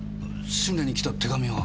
春麗に来た手紙は？